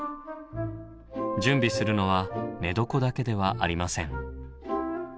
準備するのは寝床だけではありません。